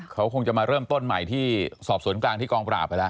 เขาคงจะมาเริ่มต้นใหม่ที่สอบสวนกลางที่กองปราบไปแล้ว